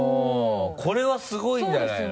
これはすごいんじゃないの？